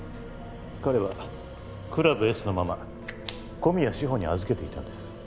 彼はクラブ「Ｓ」のママ小宮志歩に預けていたんです。